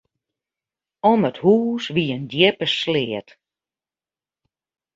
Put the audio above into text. Om it hús wie in djippe sleat.